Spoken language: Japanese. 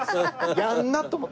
やんなと思って。